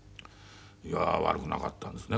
いやあ悪くなかったんですね。